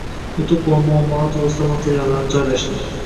Yutuq va muammolar toʻgʻrisida materiallarni joylashdi